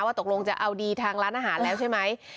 ตกลงจะเอาดีทางร้านอาหารแล้วใช่ไหม